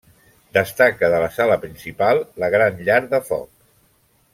Destaca de la sala principal, la gran llar de foc.